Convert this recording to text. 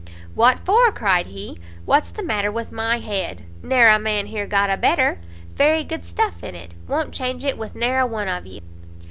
"What for?" cried he, "what's the matter with my head? ne'er a man here got a better! very good stuff in it; won't change it with ne'er a one of you!"